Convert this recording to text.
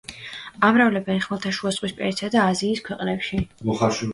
ამრავლებენ ხმელთაშუაზღვისპირეთისა და აზიის ქვეყნებში.